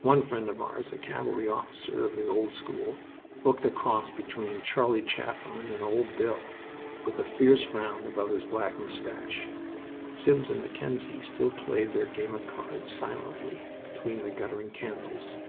One friend of ours, a cavalry officer of the old school, looked a cross between Charlie Chaplin and Ol' Bill, with a fierce frown above his black mustache. Sims and Mackenzie still played their game of cards, silently, between the guttering candles.